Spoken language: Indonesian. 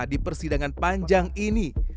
di persidangan panjang ini